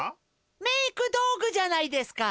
メークどうぐじゃないですか？